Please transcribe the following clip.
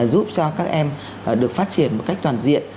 giúp cho các em được phát triển một cách toàn diện